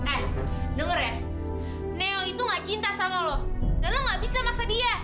eh nur ya neo itu gak cinta sama lo neo gak bisa maksa dia